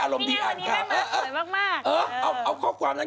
เห็นไหมการสุ่มแกน